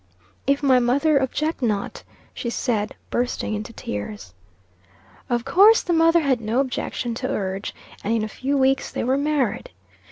"If my mother object not," she said, bursting into tears. Of course, the mother had no objection to urge, and in a few weeks they were married.